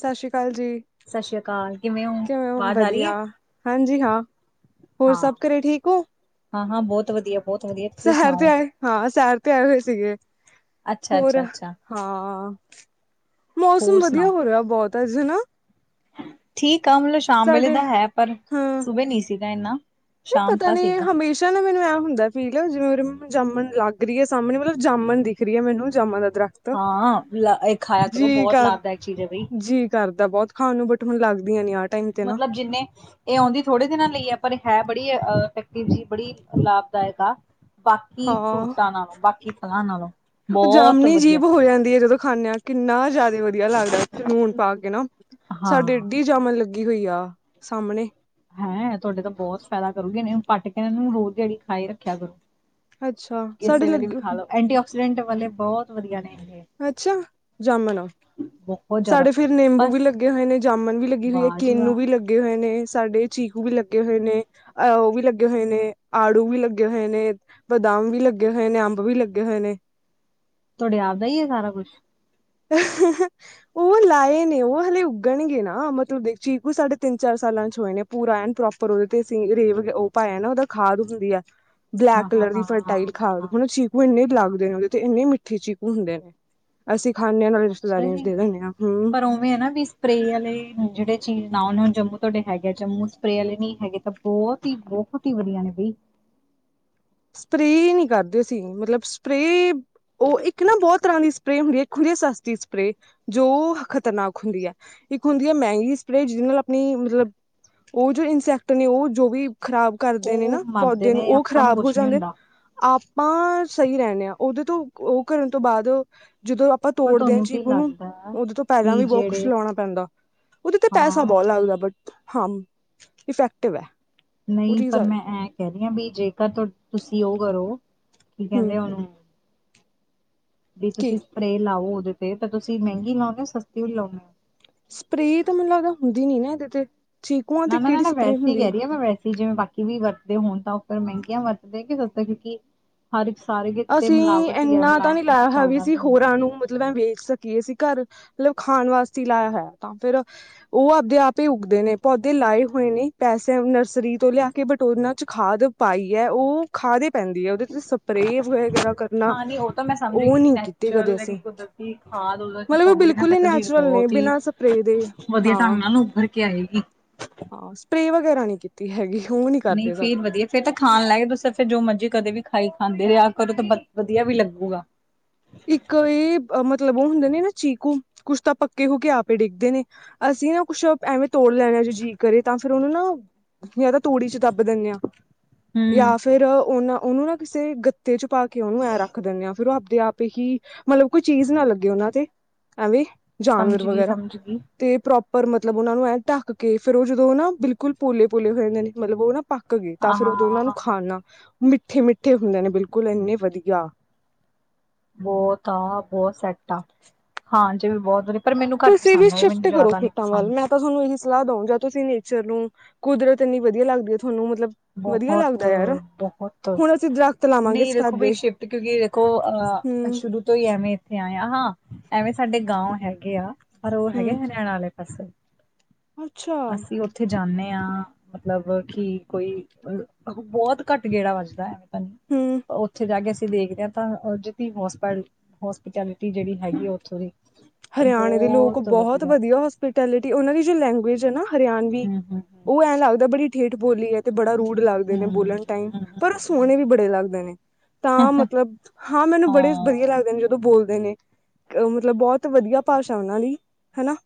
ਸਤਿ ਸ਼੍ਰੀ ਅਕਾਲ ਜੀ ਸਤਿ ਸ੍ਰੀ ਅਕਾਲ ਹੋ ਕਿਵੇਂ ਆਵਾਜ਼ ਆ ਰਹੀ ਹੈ? ਵਧੀਆ। ਹਾਂਜੀ ਹਾਂ ਹੋਰ ਸਭ ਘਰੇ ਠੀਕ ਹੋ। ਹਾਂ ਹਾਂ ਬਹੁਤ ਵਧੀਆ! ਬਹੁਤ ਵਧੀਆ ਤੁਸੀਂ ਸਹਿਰ ਤੇ ਸੁਣਾਓ ਆਏ ਹਾਂ ਸਹਿਰ ਤੇ ਆਏ ਹੋਏ ਸੀਗੇ ਅੱਛਾ-ਅੱਛਾ ਹੋਰ ਅੱਛਾ ਅੱਛਾ। ਹਾਂ! ਹੋਰ ਮੌਸਮ ਸੁਣਾਓ? ਵਧੀਆ ਹੋ ਰਿਹਾ ਬਹੁਤ ਅੱਜ ਨਾ। ਠੀਕ ਆ ਮਤਲਬ ਸ਼ਾਮ ਵੇਲੇ ਦਾ ਹੈ ਪਰ ਹਾਂ, ਸੁਬੇ ਨੀ ਸੀਗਾ ਇੰਨਾ। ਨਹੀਂ ਸ਼ਾਮ ਪਤਾ ਤਾਂ ਨੀ ਸੀਗਾ ਹਮੇਸ਼ਾ ਨਾ ਮੈਨੂੰ ਐਂ ਹੁੰਦਾ ਫੀਲ ਹੈ ਜਿਵੇਂ! ਜਾੰਮਣ ਲੱਗ ਰਹੀ ਹੈ ਸਾਹਮਣੇ ਮਤਲਬ ਜਾੰਮਣ ਦਿਖ ਰਹੀ ਹੈ ਮੈਨੂੰ ਜਮਣ ਦਾ! ਰੱਖ ਹਾਂ ਲ ਇਹ ਖਾਇਆ ਕਰੋ ਜੀ ਬਹੁਤ ਕਰ ਲਾਭਦਾਇਕ ਚੀਜ਼ ਹੈ ਬਈ ਜੀ ਕਰਦਾ ਬਹੁਤ ਖਾਣ ਨੂੰ। ਹੁਣ ਲੱਗਦੀਆਂ ਨੇ ਆਟ। ਮਤਲਬ ਜਿੰਨੇ ਇਹ ਆਉਂਦੀ ਥੋੜੇ ਦਿਨਾਂ ਲਈ ਹੈ ਪਰ ਹੈ। ਬੜੀਫੈਕਟਿਵ ਜ ਬੜੀ ਲਾਭਦਾਇਕ ਆ ਬਾਕੀ ਹਾਂ, ਫਰੂਟਾਂ ਨਾਲ ਬਾਕੀ। [inaudible] ਉਹ ਬਹੁਤ ਜਾਮਣੀ ਵਧੀਆ ਜੀਭ ਹੋ ਜਾਂਦੀ ਹੈ ਜਦੋਂ ਖਾਂਦੇ ਹਾਂ ਕਿੰਨਾ ਜਿਆਦਾ ਵਧੀਆ ਲੱਗਦਾ ਨੂਨ ਪਾ ਕੇ ਨਾ। ਸਾਡੇ ਹਾਂ ਏਡੀ ਜਾਮਣ ਲੱਗੀ ਹੋਈ ਆ ਸਾਹਮਣੇ। ਹੈਂ ਤੁਹਾਡੇ ਤਾਂ ਬਹੁਤ ਫਾਇਦਾ ਕਰੂਗੀ ਇਹ ਪੱਟ ਕੇ ਇਹ ਨੂੰ ਰੋਜ਼ ਦਿੜੀ ਖਾਈ ਰੱਖਿਆ ਕਰੋ। ਅੱਛਾ ਸਾਡੇ ਕਿਸੇ ਵੇਲੇ ਵੀ ਲੱਗੇ ਖਾ ਲੋੋ ਐਂਟੀ ਆਕਸੀਡੈਂਟ ਵਾਲੇ ਬਹੁਤ ਵਧੀਆ ਨੇ! ਇਹ ਅੱਛਾ ਜਾਮਣ ਆ ਬਹੁਤ ਜ਼ਿਆਦਾ ਸਾਡੇ ਫਿਰ ਨਿੰਬੂ ਬਸ ਵੀ ਲੱਗੇ ਹੋਏ ਨੇ। ਜਾਮਣ ਵੀ ਲੱਗੀ ਹੋਈ ਹੈ ਵਾਹ ਜੀ ਵਾਹ ਕੇਨੂ ਵੀ ਲੱਗੇ ਹੋਏ ਨੇ ਸਾਡੇ ਚੀਕੂ ਵੀ ਲੱਗੇ ਹੋਏ ਨੇ। ਨੇਹ ਉਹ ਵੀ ਲੱਗੇ ਹੋਏ ਨੇ ਆੜੂ ਵੀ ਲੱਗੇ ਹੋਏ ਨੇ ਬਦਾਮ ਵੀ ਲੱਗੇ ਹੋਏ ਨੇ ਅੰਬ ਵੀ! ਲੱਗੇ ਹੋਏ ਨੇ। ਤੁਹਾਡੇ ਆਪਦਾ ਹੀ ਹੈ ਸਾਰਾ ਕੁਛ! ਉਹ ਲਾਏ ਨੇ ਉਹ ਹਲੇੇ ਉੱਗਣਗੇ ਨਾ ਮਤਲਬ ਦੇਖ ਚੀਕੂ ਸਾਢੇ ਤਿੰਨ ਚਾਰ। ਸਾਲਾਂ ਚ ਹੋਏ ਨੇ ਪੂਰਾ ਐ ਪ੍ਰੋਪਰ ਉਹਦੇ ਤੇ [unintelligible] ਪਾਇਆ ਨਾ ਉਹ ਖਾਦ ਹੁੰਦੀ ਹੈ। ਬਲੈਕ ਹਾਂ ਹਾਂ ਕਲਰ ਦੀ ਹਾਂ ਹਾਂ ਫਰਟਾਈਲ। ਹਾਂ ਹਾਂ [unintelligible] ਲੱਗਦੇ ਨੇ ਉਹਦੇ ਤੇ ਇੰਨੇ ਮਿੱਠੇ ਚੀਕੂ ਹੁੰਦੇ ਨੇ ਅਸੀਂ! ਖਾਂਦੇ ਹਾਂ ਨਾਲ ਅੱਛਾ ਰਿਸ਼ਤੇਦਾਰੀਆਂ ਚ ਜੀ ਦੇ ਦਿੰਦੇ ਹਾਂ ਹਮ ਪਰ ਉਵੇਂ ਹੈ ਨਾ ਵੀ ਸਪਰੇ ਆਲੇ ਜੇੜੇ ਚੀਜ਼ [unintelligible] ਹੁਣ ਜੰਮੂ। ਤੁਹਾਡੇ ਹੈਗੇ ਜੰਮੂ ਸਪਰੇ ਵਾਲੇ ਨਹੀਂ ਹੈਗੇ ਤਾਂ ਬਹੁਤ ਹੀ ਬਹੁਤ ਹੀ ਵਧੀਆ ਨੇ ਬਈ। ਸਪਰੇਅ ਨਹੀਂ ਕਰਦੇ ਅਸੀਂ ਮਤਲਬ ਸਪਰੇਅ ਉਹ ਇੱਕ ਨਾ ਬਹੁਤ। ਤਰ੍ਹਾਂ ਦੀ ਸਪਰੇ ਹੁੰਦੀ ਹੈ ਇੱਕ ਹੁੰਦੀ ਹੈ ਸਸਤੀ ਸਪਰੇਅ ਜੋ ਖ਼ਤਰਨਾਕ ਹੁੰਦੀ ਹੈ ਇੱਕ ਹੁੰਦੀ ਹੈ ਮਹਿੰਗੀ। ਸਪ੍ਰਰੇ ਜਿਹਦੇ ਨਾਲ ਆਪਣੀ ਮਤਲਬ ਉਹ ਜੋ ਇਨਸੈਕਟ ਨੇ ਉਹ ਜੋ ਵੀ। ਖ਼ਰਾਬ ਕਰਦੇ ਨੇ ਉਹ ਨਾ ਮਰਦੇ ਪੌਦੇ ਨੂੰ ਨੇ ਉਹ ਆਪਾਂ ਖ਼ਰਾਬ ਹੋ। ਕੁਛ ਨੀ ਜਾਂਦੇ ਹੁੰਦਾ ਆਪਾਂ ਸਹੀ ਰਹਿੰਦੇ ਆਾਂ ਉਹਦੇ ਤੋਂ ਉਹ ਕਰਨ ਤੋਂ ਬਾਅਦ। ਜਦੋਂ ਆਪਾਂ ਪਰ ਤੋੜਦੇ ਹਾਂ ਤੁਹਾਨੂੰ ਕੀ ਚੀਕੂ ਨੂੰ ਲੱਗਦਾ ਉਦੋਂ ਤੋਂ ਪੈਲਾਂ ਕਿ ਵੀ ਬਹੁਤ ਕੁਛ ਜਿਹੜੇ ਲਾਉਣਾ ਪੈਂਦਾ। ਉਹਦੇ ਤੇ ਪੈਸਾ ਹਾਂ ਬਹੁਤ ਲੱਗਦਾ ਬਟ ਹਾਂ ਇਫੈਕਟਿਵ ਹੈ। ਉਹ ਨਹੀਂ ਚੀਜ਼ ਪਰ ਹੈ ਮੈਂ ਐ ਕਹਨਿ ਆ ਵੀ ਜੇਕਰ ਤੁ ਤੁਸੀਂ ਉਹ ਕਰੋ! ਕੀ ਹੂੰ ਕਹਿੰਦੇ ਓਹਨੂੰ! ਵੀ ਕੀ ਤੁਸੀਂ ਸਪਰੇ ਲਾਓ ਉਹਦੇ ਤੇ ਤਾਂ ਤੁਸੀਂ ਮਹਿੰਗੀ ਲਾਉਂਦੇ ਹੋ ਸਸਤੀ ਵੀ ਲਾਉਂਦੇ ਹੋ। ਸਪਰੇ ਤਾਂ ਮੈਨੂੰ ਲੱਗਦਾ ਹੁੰਦੀ ਨੀ ਨਾ ਇਹਦੇ ਤੇ। ਚੀਕੂਆਂ ਨਾ, ਤੇ ਨਾ, ਨਾ, ਕਿਹੜੀ ਨਾ ਸਪਰੇਅ ਵੈਸ ਹੀ ਹੁੰਦੀ ਕਹਿ ਰਹੀ ਆ ਮੈਂ ਵੈਸ। ਜਿਵੇਂ ਬਾਕੀ ਵੀ ਵਰਤਦੇ ਹੋਣ ਤਾਂ ਉਹ ਫੇਰ ਮਹਿੰਗੀਆਂ ਵਰਤਦੇ ਕੇ ਸਸਤੀ ਕਿਉਂਕਿ ਹਰ ਇੱਕ। ਸਾਰੇ ਕਿਤੇ ਅਸੀਂ ਮਿਲਾਵਟ ਹੀ ਹੈ ਏਨਾ ਤਾਂ ਮਿਲਾਵਟ ਨੀ ਬਿਨਾਂ ਲਾਇਆ ਹੋਯਾ ਵੀ ਚੱਲਦਾ ਅਸੀਂ ਨਹੀਂ ਹੋਰਾਂ ਨੂੰ ਮਤਲਬ ਵੇਚ ਸਕੀਏ ਅਸੀ ਘਾਰ। ਮਤਲਬ ਖਾਣ ਵਾਸਤੇ ਲਾਇਆ ਹੋਇਆ। ਤਾਂ ਫਿਰ ਉਹ ਆਪਦੇ ਆਪ ਹੀ ਉੱਗਦੇ ਨੇ, ਪੌਦੇ ਲਾਏ ਹੋਏ ਨੇ। ਪੈਸੇ ਨਰਸਰੀ ਤੋਂ ਲਿਆ ਕੇ ਬਟ ਓਹਨਾ ਚ ਖਾਦ ਪਾਈ ਏ। ਉਹ ਖਾਦ ਈ ਪੈਂਦੀ ਏ, ਉਹਦੇ 'ਤੇ ਸਬ ਹਾਂ, ਨਈ ਉਹ ਤਾਂ ਮੈਂ ਸਮਝ ਉਹ ਗਈ। ਨਹੀਂ ਕੀਤੀ ਕਦੇ ਨੈਚੁਰਲ ਜੇੜੀ ਅਸੀਂ ਕੁਦਰਤੀ ਖਾਦ ਉਦੇ ਚ ਮਤਲਬ ਉਹ ਪਾਉਣੀ। ਬਿਲਕੁਲ ਫਿਰ ਹੀ ਤਾਂ ਜੀ ਨੈਚੁਰਲ ਨੇ ਬਹੁਤ ਹੀ ਬਿਨਾਂ ਸਪਰੇਅ ਦੇ ਵਧੀਆ। ਹਾਂ ਢੰਗ ਨਾਲ ਨੂੰ ਉੱਭਰ ਕੇ ਆਏਗੀ। ਹਾਂ, ਸਪ੍ਰੇ ਵਗੈਰਾ ਨਹੀਂ ਕੀਤੀ ਹੈਗੀ। ਉਹ ਨਹੀਂ ਕਰਦੇ ਫੇਰ ਸਾਡੇ ਵਧੀਆ। ਫੇਰ ਤਾਂ ਖਾਣ [unintelligible] ਫਿਰ ਜੋ ਮਰਜੀ, ਕਦੇ ਵੀ ਖਾਈ ਖਾਂਦੇ ਰਿਹਾ। [unintelligible] ਵਧੀਆ ਵੀ ਲੱਗੂਗਾ। ਇੱਕ ਇਹ ਮਤਲਬ- ਮਤਲਬ ਉਹ ਹੁੰਦੇ ਨੇ, ਨਾ ਚੀਕੂ ਕੁਛ ਤਾਂ ਪੱਕੇ ਹੋ ਕੇ ਆਪ ਡਿੱਗਦੇ ਨੇ, ਅਸੀਂ ਨਾ ਕੁੱਛ ਐਵੇਂ ਤੋੜ ਲੈਣਾ। ਅੱਛਾ, ਜੀਅ ਕਰੇ ਤਾਂ ਫ਼ਿਰ ਉਹਨੂੰ ਨਾ- ਜਾਂ ਤਾਂ ਤੂੜੀ ਚ ਦੱਬ ਦੇਣੇ ਆਂ। ਹੂੰ ਜਾਂ ਫਿਰ ਓਹਨਾ- ਉਹਨੂੰ ਨਾ ਕਿਸੇ ਗੱਤੇ ਚ ਪਾ ਕੇ ਉਹਨੂੰ ਐਂ ਰੱਖ ਦੇਣੇ ਆਂ। ਫਿਰ ਉਹ ਆਪਦੇ ਆਪ- ਹੀ ਮਤਲਬ ਕੋਈ ਚੀਜ਼ ਨਾ, ਲੱਗੇ ਉਹਨਾਂ ਤੇ ਐਵੇਂ- ਜਾਨਵਰ- ਸਮਝ ਗਈ ਵਗੈਰਾ, ਸਮਝ ਗਈ ਤੇ ਪ੍ਰੋਪ ਪਰ ਮਤਲਬ ਉਹਨਾ ਨੂੰ ਐਂ ਢੱਕ ਕੇ ਫਿਰ ਉਹ ਜਦੋਂ ਨਾ ਬਿਲਕੁਲ ਪੋਲੇ- ਪੋਲੇ ਹੋਏ ਜਾਂਦੇ ਨੇ, ਮਤਲਬ ਉਹ ਨਾ- ਪੱਕ ਗਏ, ਤਾਂ ਹਾਂ ਫਿਰ ਹਾਂ ਉਦੋਂ ਉਹਨਾਂ ਨੂੰ ਹਾਂ ਹਾਂ ਖਾਣਾ। ਮਿੱਠੇ -ਮਿੱਠੇ ਹੁੰਦੇ ਨੇ, ਬਿਲਕੁਲ ਇੰਨੇ ਵਧੀਆ। ਬਹੁਤ ਆ ਬਹੁਤ ਸੈੱਟ ਆ। ਹਾਂ ਜੇ ਵੀ ਬਹੁਤ ਵਾਰੀ ਤੁਸੀਂ ਵੀ ਸ਼ਿਫਟ ਕਰੋ। ਖੇਤਾਂ ਵੱਲ ਮੈਂ ਤਾਂ ਤੁਹਾਨੂੰ ਇਹੀ ਸਲਾਹ ਦਊ। ਜਾਂ ਤੁਸੀਂ ਚਲੋ, ਕੁਦਰਤ ਇੰਨੀ ਵਧੀਆ ਲੱਗਦੀ। ਤੁਹਾਨੂੰ ਮਤਲਬ ਵਧੀਆ ਲੱਗਦਾ ਬਹੁਤ ਹੈ। ਯਾਰ ਬਹੁਤ ਹੁਣ ਅਸੀਂ ਦਰਖਤ ਲਾਵਾਂਗੇ। ਸਫੈਦੇ ਉਹ ਅ ਹੂੰ ਸ਼ੁਰੂ ਤੋਂ ਹੀ ਐਵੇਂ, ਇੱਥੇ ਆਇਆ ਹਾਂ। ਐਵੇਂ ਸਾਡੇ- ਗਾਓ ਹੈਗੇ ਆ। ਪਰ ਉਹ ਹੈਗੇ ਹੂੰ ਹਰਿਆਣਾ ਵਾਲੇ ਪਾਸੇ। ਅੱਛਾ ਅਸੀਂ ਉੱਥੇ ਜਾਣੇ ਆਂ। ਮਤਲਬ ਕਿ- ਕੋਈ -ਅ ਬਹੁਤ ਘੱਟ ਗੇੜਾ ਵੱਜਦਾ ਏ। ਨ ਹੂੰ ਉੱਥੇ ਜਾ ਕੇ। ਦੇਖਦੇ ਹਾਂ। ਤਾਂ [unintelligible] ਹੋਸਪੀਟੈਲਿਟੀ ਜੇੜੀ ਹੈਗੀ ਆ। ਉੱਥੋਂ ਦੀ ਉਹ ਹਰਿਆਣੇ ਦੇ ਲੋਕ ਬਹੁਤ ਬਹੁਤ ਵਧੀਆ। ਹੋਸਪੀਟੈਲਿਟੀ ਉਹਨਾਂ ਦੀ ਜੋ ਲੈਂਗੂਏਜ ਹੈ, ਨਾ ਹਰਿਆਣਵੀ ਹਮ ਹਮ ਹਮ ਉਹ ਐਂ ਲੱਗਦਾ, ਬੜੀ ਠੇਠ ਬੋਲੀ ਹੈ। 'ਤੇ ਬੜਾ ਰੂੜ- ਲੱਗਦੇ ਨੇ ਹਮ ਬੋਲਣ ਟਾਈਮ, ਪਰ ਉਹ ਸੋਹਣੇ ਵੀ ਬੜੇ ਲੱਗਦੇ ਨੇ। ਤਾਂ, ਮਤਲਬ ਹਾਂ ਮੈਨੂੰ ਬੜੇ ਵਧੀਆ ਹਾਂ ਲੱਗਦੇ ਨੇ, ਜਦੋਂ ਬੋਲਦੇ ਨੇ। ਮਤਲਬ ਬਹੁਤ ਵਧੀਆ ਭਾਸ਼ਾ ਉਹਨਾਂ ਦੀ ਹੈਨਾ।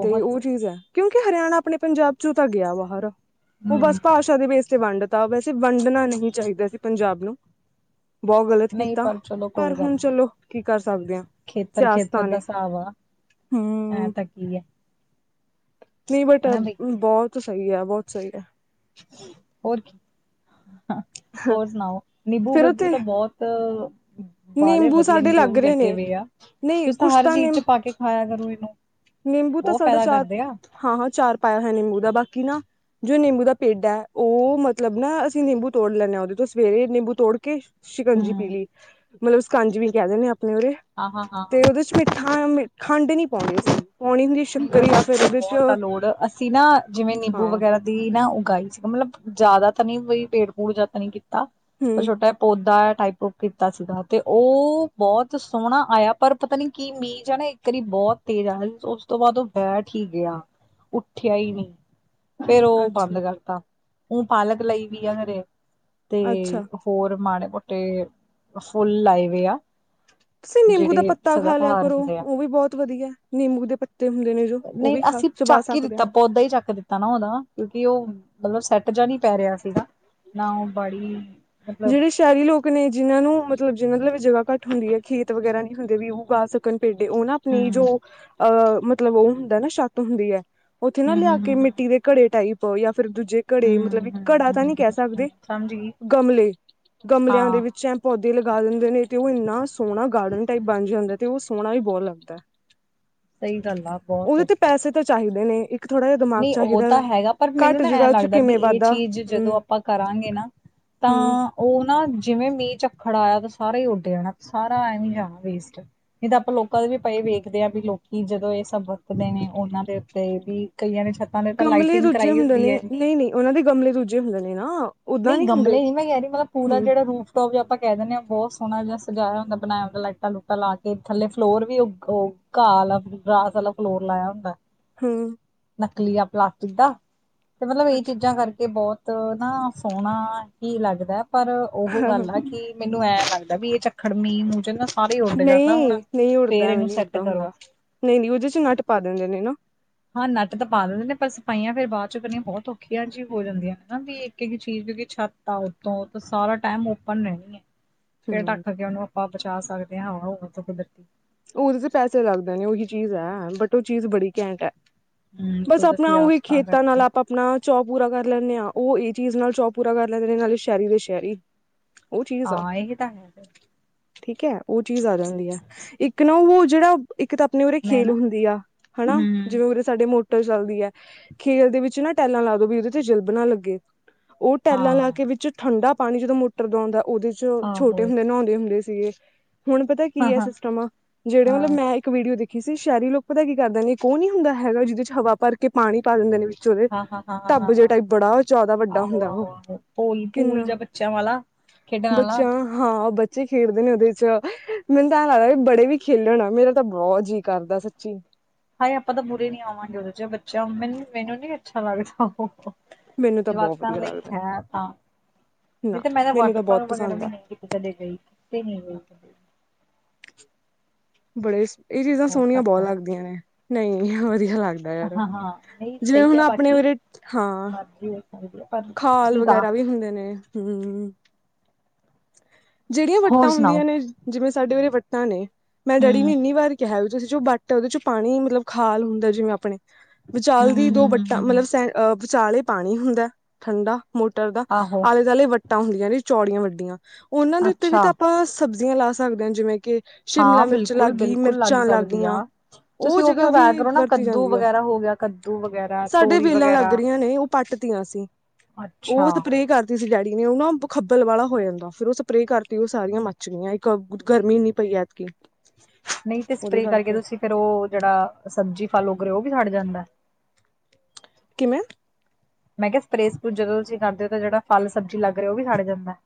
'ਤੇ ਉਹ ਚੀਜ਼ ਆ। ਕਿਉਂਕਿ, ਹਰਿਆਣਾ ਆਪਣੇ ਪੰਜਾਬ ਚੋ ਤਾਂ ਗਿਆ। ਬਾਹਰ ਉਹ ਹਮ ਬਸ ਭਾਸ਼ਾ ਦੇ ਬੇਸ ਤੇ ਵੰਡ- ਤਾ, ਵੈਸੇ ਵੰਡਣਾ ਨਹੀਂ ਚਾਹੀਦਾ ਸੀ। ਪੰਜਾਬ ਨੂੰ- ਬਹੁਤ ਗਲਤ ਨਹੀਂ ਕੀਤਾ। ਪਰ ਚਲੋ ਪਰ ਕੋਈ ਗੱਲ ਹੁਣ ਨਹੀਂ ਚਲੋ ਕੀ ਕਰ ਸਕਦੇ ਆਂ। ਖੇਤਰ ਸਿਆਸ ਖੇਤਰ ਦਾ ਨਾਲ਼ੇ, ਹਿਸਾਬ ਆ ਐ ਹੂੰ ਤਾਂ ਕੀ ਹੈ ਨਹੀਂ, ਬਟ ਹਨਾ ਬਈ ਬਹੁਤ ਸਹੀ ਹੈ। ਬਹੁਤ ਸਹੀ ਹੈ। ਹੋਰ ਕੀ, ਹੋਰ ਸੁਣਾਓ। ਨੀਂਬੂ ਫੇਰ ਬਿਬੂ ਉਥੇ ਤਾਂ ਬਹੁਤ ਬਾਲੇ ਨਿੰਬੂ ਵਧੀਆ ਨੇ, ਸਾਡੇ ਜੋ ਲੱਗ ਵੀ ਰਹੇ ਲੱਗੇ ਨੇ ਵੇ ਆ। ਨਹੀਂ ਤੁਸੀ ਤਾਂ ਹਰ ਚੀਜ਼ ਚ ਪਾ ਕੇ ਖਾਇਆ ਕਰੋ। ਇਹਨੂੰ- ਨਿੰੰਬੂ ਤਾਂ, ਬਹੁਤ ਸਾਡਾ ਫਾਇਦਾ ਕਰਦੇ ਆ। ਚਾਰ- ਹਾਂ, ਹਾਂ ਅਚਾਰ ਪਾਇਆ ਹੋਇਆ। ਨਿੰਬੂ ਦਾ ਬਾਕੀ ਨਾ- ਜੋ ਨਿੰੰਬੂ ਦਾ ਪੇਡਾ ਏ। ਉਹ ਮਤਲਬ ਨਾ ਅਸੀਂ ਨਿੰੰਬੂ ਤੋੜ ਲੈਂਦੇ ਆਂ। ਉਹਦੇ ਤੋਂ ਸਵੇਰੇ ਨਿੰੰਬੂ ਤੋੜ ਕੇ- ਸ਼ਿਕੰਜੀ ਹੂੰ। ਪੀਲੀ, ਮਤਲਬ ਸ਼ਿਕਜਵੀਂ ਵੀ ਕਹਿ ਦਿਣੇ ਆਂ। ਆਪਣੇ ਉਰੇ ਹਾਂ ਹਾਂ ਹਾਂ 'ਤੇ ਹਾਂ ਉਹਦੇ ਚ ਮਿੱਠਾ ਮ- ਖੰਡ ਨੀ ਪਾਉਂਦੇ ਸੀ। ਪਾਉਣੀ ਹੁੰਦੀ ਜਾਂ ਫਿਰ ਉਹਦੇ ਚ ਬਹੁਤ ਤਾਂ ਲੋੜ, ਅਸੀਂ ਨਾ ਜਿਵੇਂ ਨਿੰੰਬੂ ਹਾਂ ਵਗੈਰਾ ਦੀ ਨਾ ਉਗਾਈ ਸੀ। ਮਤਲਬ- ਜ਼ਿਆਦਾ ਤਾਂ ਨਹੀਂ, ਪੇੜ ਪੂੜ ਜਾਂ ਤਾਂ ਨੀ ਕੀਤਾ। ਪਰ ਹਮ ਛੋਟਾ ਜਿਹਾ ਪੌਦਾ। ਟਾਈਪ ਓਫ ਕੀਤਾ ਸੀਗਾ। 'ਤੇ ਉਹ ਬਹੁਤ ਸੋਹਣਾ ਆਇਆ। ਪਰ ਪਤਾ ਨੀ ਕੀ ਮੀਂ ਜਾਂ ਨਾ- ਕਰੀਬ ਬਹੁਤ ਤੇਜ਼ ਆਇਆ ਈ। ਸੋਂ ਉਸ ਤੋਂ ਬਾਅਦ ਉਹ ਬੈਠ ਹੀ ਗਿਆ। ਉੱਠਿਆ ਹੀ ਨਹੀਂ। ਫੇਰ ਉਹ ਬੰਦ ਅੱਛਾ ਕਰਤਾ। ਉ, ਪਾਲਕ ਲਈ ਵੀ ਆ ਹਰੇ। 'ਤੇ ਅੱਛਾ ਹੋਰ ਮਾੜੇ ਮੋਟੇ ਫੁੱਲ ਲਾਏ ਵਏ ਆ। ਤੁਸੀਂ ਨਿੰਬੂ ਦਾ ਜਿਹੜੇ ਪੱਤਾ ਸਦਾ ਖਾ ਲਿਆ ਬਹਾਰ ਕਰੋ ਹੁੰਦੇ ਆ। ਉਹ ਵੀ ਬਹੁਤ ਵਧੀਆ ਨਿੰਬੂ ਦੇ ਪੱਤੇ ਹੁੰਦੇ ਨੇ ਜੋ ਉਹ ਨਹੀਂ, ਵੀ ਖਾ ਅਸੀਂ ਚਬਾ ਚੱਕ ਹੀ ਸਕਦੇ ਦਿੱਤਾ। ਪੌਦਾ ਹੀ ਚੱਕ ਦਿੱਤਾ, ਨਾ ਉਹਦਾ- ਕਿਉਂਕਿ ਉਹ ਮਤਲਬ ਸੈੱਟ ਜਾ ਨੀ ਪੈ ਰਿਹਾ ਸੀਗਾ। ਨਾ ਉਹ ਬੜੀ ਮਤਲਬ ਜਿਹੜੇ ਸ਼ਹਿਰੀ ਲੋਕ ਨੇ ਜਿਨਾਂ ਨੂੰ ਮਤਲਬ ਜਿਹਨਾਂ ਨੂੰਲਬ ਜਗ੍ਹਾ ਘੱਟ ਹੁੰਦੀ ਹੈ ਖੇਤ ਵਗੈਰਾ ਨਹੀਂ ਹੁੰਦੇ ਵੀ ਉਹ ਗਾ ਸਕਣ ਪੇਡੇ ਉਹ ਨਾ ਆਪਣੀ ਜੋ ਹਮ ਅਹ ਮਤਲਬ ਉਹ ਹੁੰਦਾ ਨਾ ਛੱਤ ਹੁੰਦੀ ਹੈ ਉੱਥੇ ਨਾ ਹਮ ਲਿਆ ਕੇ ਹਮ ਹਮ ਮਿੱਟੀ ਦੇ ਘੜੇ ਟਾਈਪ ਜਾਂ ਫੇਰ ਦੂਜੇ ਘੜੇ ਹਮ ਮਤਲਬ ਹਮ ਘੜਾ ਤਾਂ ਨੀ ਹਮ ਕਹਿ ਹਮ ਸਕਦੇ ਸਮਝ ਗਈ ਗਮਲੇ। ਗਮਲਿਆਂ ਦੇ ਹਾਂ ਵਿੱਚ ਐ ਪੌਦੇ ਲਗਾ ਦਿੰਦੇ ਨੇ ਤੇ ਉਹ ਇੰਨਾ ਸੋਹਣਾ ਗਾਰਡਨ ਟਾਈਪ ਬਣ ਜਾਂਦਾ। ਤੇ ਉਹ ਸੋਹਣਾ ਵੀ ਬਹੁਤ ਲੱਗਦਾ ਹੈ। ਸਹੀ ਗੱਲ ਆ ਬਹੁਤ ਤਾਂ ਚਾਹੀਦੇ ਨੇ ਇੱਕ ਥੋੜ੍ਹਾ ਜਿਹਾ ਦਿਮਾਗ ਨਹੀਂ ਉਹ ਚਾਹੀਦਾ ਤਾਂ ਹੈਗਾ ਪਰ ਮੈਨੂੰ ਘੱਟ ਨਾ ਐਂ ਜਗ੍ਹਾ ਚ ਲੱਗਦਾ ਵੀ ਕਿਵੇਂ ਇਹ ਵੱਧਦਾ ਚੀਜ਼ ਹਮ ਜਦੋਂ ਆਪਾਂ ਕਰਾਂਗੇ ਨਾ ਹਮ ਤਾਂ ਉਹ ਨਾ ਜਿਵੇਂ ਮੀਂਹ ਚੱਖੜ ਆਇਆ ਤਾਂ ਸਾਰਾ ਹੀ ਉੱਡ ਜਾਣਾ ਸਾਰਾ ਐ ਜਾਣਾ ਵੇਸਟ ਇਹ ਤਾਂ ਆਪਾਂ ਲੋਕਾਂ ਦੇ ਵੀ ਪਏ ਵੇਖਦੇ ਆ ਵੀ ਲੋਕੀ ਜਦੋਂ ਇਹ ਸਭ ਵਤਦੇ ਨੇ ਉਹਨਾਂ ਦੇ ਉੱਤੇ ਵੀ ਕਈਆਂ ਨੇ ਛੱਤਾਂ ਦੇ ਤਾਂ ਗਮਲੇ ਲਾਈਟਿੰਗ ਦੁੱਜੇ ਕਰਾਈ ਹੁੰਦੇ ਹੁੰਦੀ ਨੇ ਹੈ ਇੰਨੀ ਨਹੀਂ ਨਹੀਂ ਉਹਨਾਂ ਦੇ ਗਮਲੇ ਦੂੱਜੇ ਹੁੰਦੇ ਨੇ ਨਾ। ਓਦਾਂ ਨਹੀਂ ਹੁੰਦੇ ਗਮਲੇ ਹੀ ਮੈਂ ਕਹਿ ਰਹੀ ਮਤਲਬ ਪੂਰਾ ਹਮ ਜਿਹੜਾ ਰੂਪ ਜ ਆਪਾਂ ਕਹਿ ਦਿੰਦੇ ਹਾਂ ਬਹੁਤ ਸੋਹਣਾ ਜਿਹਾ ਸਜਾਇਆ ਹੁੰਦਾ ਬਇਆਦਾ ਲਟਾ ਲੁਟਾ ਲਾ ਕੇ ਥੇ ਫਲੋਰ ਵੀ ਘਾਹ ਵਾਲਾ ਗਰਾਸ ਵਾਲਾ ਫਲੋਰ ਲਾਇਆ ਹੁੰਦਾ। ਹਮ ਨਕਲੀ ਆ ਪਲਾਸਟਿਕ ਦਾ ਤੇ ਮਤਲਬ ਇਹ ਚੀਜ਼ਾਂ ਕਰਕੇ ਬਹੁਤ ਨਾ ਸੋਹਣਾ ਹੀ ਲੱਗਦਾ ਹੈ ਪਰ ਉਹ ਅੱਛਾ ਗੱਲ ਆ ਕਿ ਮੈਨੂੰ ਐਂ ਲਗਦਾ ਵੀ ਇਹ ਚੱਖੜ ਮੀਂਹ ਮੂਜ ਨਹੀਂ ਨਹੀਂ ਉੱਡਦਾ ਐਵੇਂ ਨਹੀਂ ਸੈੱਟ ਉੱਡਦਾ ਕਰੋ ਹੁੰਦਾ ਨਹੀਂ ਨਹੀਂ ਉਹਦੇ ਚ ਨੱਟ ਪਾ ਦਿੰਦੇ ਨੇ ਨਾ। ਹਾਂ ਨੱਟ ਤਾਂ ਪਾ ਦਿੰਦੇ ਨੇ ਪਰ ਸਫਾਈਆਂ ਫੇਰ ਬਾਅਦ ਚੋ ਕਰਨੀਆ ਬਹੁਤ ਔਖੀਆਂ ਜਿਹੀ ਹੋ ਜਾਂਦੀਆਂ ਹਨਾ ਵੀ ਇੱਕ ਇੱਕ ਚੀਜ਼ ਕਿਉਂਕਿ ਛੱਤ ਆ ਉੱਤੋਂ ਸਾਰਾ ਟਾਈਮ ਓਪਨ ਰਹਿਣੀ ਹੈ। ਹਮ ਢੱਕ ਕੇ ਉਹਨੂੰ ਆਪਾਂ ਬਚਾ ਸਕਦੇ ਹਵਾ ਹੋਆ ਤੂੰ ਕੁਦਰਤੀ ਉਹਦੇ ਤੇ ਪੈਸੇ ਲੱਗਦੇ ਨੇ ਉਹੀ ਚੀਜ਼ ਹੈ ਬਟ ਉਹ ਚੀਜ਼ ਬੜੀ ਘੈਂਟ ਹੈ। ਹਮ ਬਸ ਆਪਣਾ ਕੁਦਰਤੀ ਉਹੀ ਆਫਤਾਂ ਖੇਤਾਂ ਨਾਲ ਕਰਕੇ ਆਪਾਂ ਆਪਣਾ ਚੋ ਪੂਰਾ ਕਰ ਲੈਂਦੇ ਹਾਂ ਉਹ ਇਹ ਚੀਜ਼ ਨਾਲ ਚੋਪ ਪੂਰਾ ਕਰ ਲੈਂਦੇ ਨੇ ਨਾਲੇ ਸ਼ਹਿਰੀ ਦੇ ਸ਼ਹਿਰੀ। ਉਹ ਚੀਜ਼ ਆ, ਹਾਂ ਇਹ ਤਾਂ ਹੈ ਫਿਰ ਠੀਕ ਹੈ। ਉਹ ਚੀਜ਼ ਆ ਜਾਂਦੀ ਹੈ ਇੱ ਉਹ ਜਿਹੜਾ ਇੱਕ ਤਾਂ ਆਪਣੇ ਉਰੇ ਮੈਂ ਖੇਲ ਨਾ ਹੁੰਦੀ ਆ ਹਨਾ ਹਮ ਜਿਵੇਂ ਉਰੇ ਸਾਡੇ ਮੋਟ ਚੱਲਦੀ ਹੈ ਖੇਲ ਦੇ ਵਿੱਚ ਨਾ ਟੈਲਾਂ ਲਾਦੋ ਵੀ ਉਹਦੇ ਤੇ ਜਿ ਜੀਲਬ ਨਾ ਲੱਗੇ। ਉਹ ਟੈਲਾਂ ਲਾ ਹਾਂ ਕੇ ਵਿੱਚ ਠੰਡਾ ਪਾਣੀ ਜਦੋਂ ਮੋਟਰ ਦਾ ਆਉਂਦਾ ਉਹਦੇ 'ਚ ਛੋਟੇ ਆਹੋ ਹੁੰਦੇ ਨਹਾਉਂਦੇ ਹੁੰਦੇ ਸੀਗੇ ਹੁਣ ਪਤਾ ਹਾਂ-ਹਾਂ, ਕੀ ਹੈ ਹਾਂ। ਸਿਸਟਮ ਆ ਜਿਹੜੇ ਮਤਲਬ ਮੈਂ ਇੱਕ ਵੀਡੀ ਉਹ ਦੇਖੀ ਸੀ ਸ਼ਹਿਰੀ ਲੋਕ ਪਤਾ ਕੀ ਕਰਦੇ ਨੇ ਇੱਕ ਉਹ ਨੀ ਹੁੰਦਾ ਹੈਗਾ ਜਿਹਦੇ 'ਚ ਹਵਾ ਭਰ ਕੇ ਪਾਣੀ ਪਾ ਲੈਂਦੇ ਨੇ। ਉਹਦੇ ਧੱਬ ਜ ਹਾਂ-ਹਾਂ-ਹਾਂ-ਹਾਂ-ਹਾਂ-ਹਾਂ, ਟਾਈਪ ਬੜਾ ਜ਼ਿਆਦਾ ਵੱਡਾ ਹੁੰਦਾ ਉਹ ਆਹੋ-ਆਹੋ-ਆਹੋ, ਪੂਲ-ਪੂਲ ਕਿੰਨਾ ਜਾਂ ਬੱਚਿਆਂ ਵਾਲਾ। ਖੇਡਣ ਆਲਾ। ਬੱਚਿਆਂ ਹਾਂ ਬੱਚੇ ਖੇਡਦੇ ਨੇ ਉਹਦੇ 'ਚ ਮੈਨੂੰ ਤਾਂ ਲੱਗਦਾ ਵੀ ਬੜੇ ਵੀ ਖੇਲਣ ਮੇਰਾ ਤਾਂ ਬਹੁਤ ਜੀਅ ਕਰਦਾ ਸੱਚੀ। ਹਾਏ ਆਪਾਂ ਤਾਂ ਪੂਰੇ ਨੀ ਆਵਾਂਗੇ ਉਹਦੇ 'ਚ ਬੱਚਿਆਂ ਮੈਨ ਮੈਨੂੰ ਨੀ ਅੱਛਾ ਲੱਗਦਾ ਉਹ। ਮੈਨੂੰ ਤਾਂ ਬਹੁਤ ਜਵਾਕਾਂ ਵਧੀਆ ਲਈ ਲੱਗਦਾ ਹੈ ਤਾਂ ਨਹੀਂ ਨਾ ਤੇ ਮੈਂ ਤਾਂ ਮੈਨੂੰ ਬਹੁਤ ਵਾਟਰਪਾਲ ਵਗੈਰਾ ਪਸੰਦ ਵੀ ਆ ਨਹੀਂ ਕਿਤੇ ਕਦੇ ਗਈਤੇ ਨਹੀਂ ਗਈ। ਬੜੇ ਇਹ ਚੀਜ਼ਾਂ ਸੋਹਣੀਆਂ ਬਹੁਤ ਲੱਗਦੀਆਂ ਨੇ ਨਹੀ ਹਾਂ ਜੀ ਹਾਂ। ਲੱਗਦਾ ਯਾਰ ਹਾਂ-ਹਾਂ, ਨਹੀਂ ਜਿਵੇਂ ਸਹੀ ਹੁਣ ਆ ਆਪਣੇ ਬਾਕੀ। ਵੇਰੇ ਹਾਂ ਮਰਜ਼ੀ ਹੋ ਸਕਦੀ ਆ ਪਰ ਖਾਲ ਠੀਕ ਆ, ਵਗੈਰਾ ਵੀ ਹੁੰਦੇ ਨੇ ਹਮ। ਜਿਹੜੀਆਂ ਹੋਰ ਵੱਟਾਂ ਸੁਣਾਓ? ਹੁੰਦੀਆਂ ਨੇ ਜਿਵੇਂ ਸਾਡੇ ਵੇਰੇ ਵੱਟਾਂ ਨੇ ਮੈਂ ਡੈਡੀ ਨੇ ਹੂੰ, ਇੰਨੀ ਵਾਰ ਕਿਹਾ ਜੇ ਚ ਵੱਟ ਹੈ ਉਹਦੇ ਚੋਂ ਪਾਣੀ ਮਤਲਬ ਖਾਲ ਹੁੰਦਾ ਜਿਵੇਂ ਆਪਣੇ ਵਿਚਾਲ ਦੀ ਦੋ ਵੱਟਾ ਮਤਲਬ ਹੂੰ-ਹੂੰ-ਹੂੰ-ਹੂੰ-ਹੂੰ, ਸ ਅਹ ਵਿਚਾਲ ਇਹ ਪਾਣੀ ਹੁੰਦਾ ਠੰਡਾ। ਮੋਟਰ ਦਾ ਆਹੋ, ਆਲੇ ਦੁਆਲੇ ਵੱਟਾਂ ਹੁੰਦੀਆਂ ਨੇ ਚੌੜੀਆਂ ਵੱਡੀਆਂ ਉਹਨਾਂ ਦੇ ਉੱਤੇ ਵੀ ਤਾਂ ਅੱਛਾ। ਆਪਾਂ ਸਬ ਜੀਆ ਲਾ ਸਕਦੇ ਹ ਜਿਵੇਂ ਕਿ ਸ਼ਿਮਲਾ ਹਾਂ ਮਿਰਚ ਲੱਗ ਬਿਲਕੁਲ ਗਈ ਬਿਲਕੁਲ ਮਿਰਚਾਂ ਲੱਗ ਸਕਦੀ ਗਈਆਂ, ਆ ਉਹ ਤੁਸੀਂ ਜਗ੍ਹਾ ਉਗਾਇਆ ਵੀ ਕਰੋ ਨਾ ਵਰਤੀ ਕੱਦੂ ਜਾਂਦੀ ਆ। ਵਗੈਰਾ ਹੋ ਗਿਆ ਕੱਦੂ ਵਗੈਰਾ ਸਾਡੇ ਤੋਰੀ ਵੇਲਾਂ ਲੱਗ ਵਗੈਰਾ ਰਹੀਆਂ ਨੇ ਉਹ ਪੱਟ ਤੀਆਂ ਸੀ, ਅੱਛਾ ਉਹ ਸਪਰੇਅ ਕਰਦੀ ਸੀ ਡੈਡੀ। ਉਹ ਨਾ ਖੱਬਲ ਵਾਲਾ ਹੋ ਜਾਂਦਾ ਫੇਿਰ ਉਹ ਸਪਰੇਅ ਕਰਤੀ ਉਹ ਸਾਰੀਆਂ ਮੱਚ ਗਈਆਂ, ਇੱਕ ਗਰਮੀ ਨੀ ਪਈ ਐਤਕੀ। ਨਹੀਂ ਤੇ ਸਪਰੇ ਕਰਕੇ ਤੁਸੀਂ ਫੇਿਰ ਉਹ ਜਿਹੜਾ, ਸਬਜ਼ੀ ਫਲੋ ਕਰੇ ਉਹ ਵੀ ਛੱੜ ਜਾਂਦਾ ਕਿਵੇਂ? ਮੈਂ ਕਿਹਾ ਸਪਰੇ ਸਪਰੂ ਜਦੋਂ ਤੁਸੀਂ ਕਰਦੇ ਹੋ ਤਾਂ ਜਿਹੜਾ ਫਲ ਸਬਜ਼ੀ ਲੱਗ ਰਿਹਾ ਉਹ ਵੀ ਸੜ ਜਾਂਦਾ ਹੈ?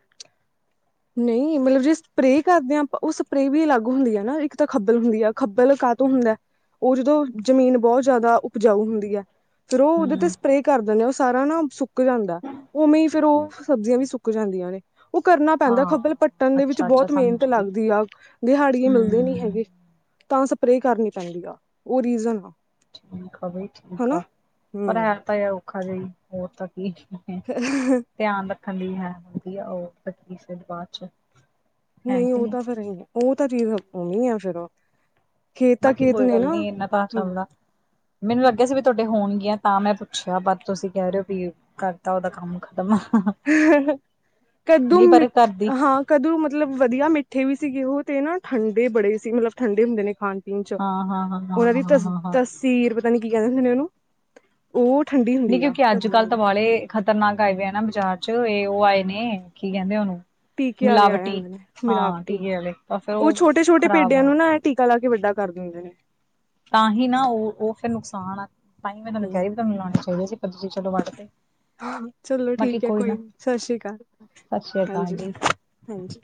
[inaudible] ਨਹੀਂ ਮਤਲਬ ਜੇ ਸਪਰੇਅ ਕਰਦੇ ਹਾਂ ਆਪਾਂ ਉਹ ਸਪਰੇ ਵੀ ਅਲੱਗ ਹੁੰਦੀ ਆ ਨਾ ਇੱਕ ਤਾਂ ਖੱਬਲ ਹੁੰਦੀ ਆ ਖੱਬਲ। ਤੋਂ ਹੁੰਦਾ ਹੈ, ਉਹ ਜਦੋਂ ਜਮੀਨ ਬਹੁਤ ਜ਼ਿਆਦਾ ਉਪਜਾਊ ਹੁੰਦੀ ਹੈ। ਫੇਰ ਉਹਦੇ ਤੇ ਹੂੰ ਸਪਰੇਅ ਕਰ ਦਿੰਦੇ ਆ। ਸਾਰਾ ਨਾ ਸੁੱਕ ਜਾਂਦਾ, ਉਵੇਂ ਫੇਰ ਉਹ ਸਬਜ਼ੀਆਂ ਵੀ ਸੁੱਕ ਜਾਂਦੀਆਂ ਨੇ ਉਹ ਕਰਨਾ ਪੈਂਦਾ ਹਾਂ ਖੱਬਲ ਪੱਟਣ ਦੇ ਵਿੱਚ ਅੱਛਾ ਅੱਛਾ ਬਹੁਤ ਮਿਹਨਤ ਸਮਝ ਗਈ ਲੱਗਦੀ ਆ, ਦਿਹਾੜੀਏ ਮਿਲਦੇ ਨੀ ਹੂੰ ਹੈਗੇ ਤਾਂ ਸਪਰੇ ਕਰਨੀ ਪੈਂਦੀ ਆ, ਉਹ ਰੀਜ਼ਨ ਆ ਠੀਕ ਆ ਬਈ ਠੀਕ ਹਨਾ ਆ, ਪਰ ਹਮ ਹੈ ਤਾਂ ਹੈ ਔਖਾ ਜਹੀ ਹੋਰ ਤਾਂ ਧਿਆਨ ਰੱਖਣ ਦੀ ਹੈ, ਵਧੀਆ ਉਹਲੀੇ ਬਾਅਦ ਚ। ਹੈ ਨਹੀਂ ਕਿ ਉਹ ਤਾਂ ਫਿਰ, ਉਹ ਤਾਂ ਚੀਜ਼ ਨੀ ਆ ਫਿਰ ਉਹ ਬਾਕੀ ਕੋਈ ਗੱਲ ਨੀ ਇੰਨਾ ਤਾਂ ਚੱਲਦਾ, ਮੈਨੂੰ ਲੱਗਿਆ ਸੀ ਵੀ ਤੁਹਾਡੇ ਹੋਣਗੀਆਂ। ਤਾਂ ਮੈਂ ਪੁੱਛਿਆ ਬ ਤੁਸੀਂ ਕਹਿ ਰਹੇ ਹੋ ਵੀ, ਕਰਦਾ ਉਹਦਾ ਕੰਮ ਖਤਮ। ਹਂ, ਹਂ। ਕਦੂ ਨਹੀਂ ਪਰ ਮਿੱਠ, ਕਰਦੀ ਹਾਂ ਕਦੂ ਮਤਲਬ ਵਧੀਆ ਮਿੱਠੇ ਵੀ ਸੀਗੇ ਉਹ। ਤੇ ਨਾ ਠੰਡੇ ਬੜੇ ਸੀ ਮਤਲਬ ਠੰਡੇ ਹੁੰਦੇ ਨੇ ਖਾਣ ਪੀਣ ਚ, ਹਾਂ ਹਾਂ ਹਾਂ ਹਾਂ ਉਹਨਾਂ ਦੀ ਹਾਂ ਤਸ ਹਾਂ ਹਾਂ ਤਸੀਰ ਪਤਾ ਨ ਕੀ ਕਹਿ ਦ ਹੁੰਦੇ ਉਹਨੂੰ, ਉਹ ਠੰਡੀ ਨਹੀਂ ਹੁੰਦੀ ਆ ਕਿਉਂਕਿ ਅੱਜ ਕੱਦੂਆਂ ਕੱਲ੍ਹ ਤਾਂ ਦੀ ਵਾਲੇ ਖਤਰਨਾ ਗ ਆਏ ਪ ਨਾ ਬਾਜ਼ਾਰ ਚ ਇਹ ਉਹ ਆਏ ਨੇ, ਕੀ ਕਹਿੰਦੇ ਉਹਨੂੰ ਟੀਕੇ ਵਾਲੇ ਆ ਮਿਲਾਵਟੀ ਜਾਂਦੇ ਨੇ ਹਾਂ ਮਿਲਾਵਟੀ, ਟੀਕੇ ਵਾਲੇ ਤਾਂ ਫਿਰ ਉਹ ਛੋਟੇ-ਛੋਟੇ ਖ਼ਰਾਬ ਪੇਡਿਆਂ ਆ ਨੂੰ ਨਾ ਟੀਕੇ ਕਲਾ ਕੀ ਵੱਡਾ ਕਰ ਦਿੰਦੇ ਹੈ। ਤਾਂ ਹੀ ਨਾ ਉਹ ਉਹ ਫੇਰ ਨੁਕਸਾਨ ਆ, ਤਾਂ ਹੀ ਮੈਂ ਤੁਹਾਨੂੰ ਕਹਿ ਰਹੀ ਵੀ ਤੁਹਾਨੂੰ ਲਾਉਣੇ ਚਾਹੀਦੇ ਜ। ਚਲੋ ਵਡਦੇ। ਹ ਚਲੋ ਠੀਕ ਹੈ ਕੋਈ ਨੀ ਸਤਿ ਸ਼੍ਰੀ ਅਕਾਲ, ਸਤਿ ਸ੍ਰੀ ਅਕਾਲ ਹਾਂਜੀ। ਜੀ ਹਾਂਜੀ।